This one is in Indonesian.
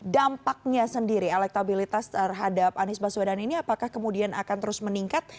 dampaknya sendiri elektabilitas terhadap anies baswedan ini apakah kemudian akan terus meningkat